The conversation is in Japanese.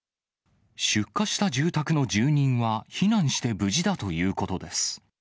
出火した住宅の住人は避難して無事だということです。